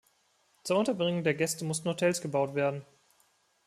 Zur Unterbringung der Gäste mussten Hotels gebaut werden.